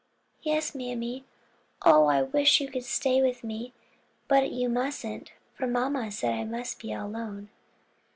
"Yes, mammy, Oh I wish you could stay with me I but you musn't: for mamma said I must be all alone."